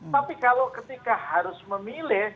tapi kalau ketika harus memilih